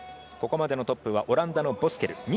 ここまでのトップはオランダのボスケル。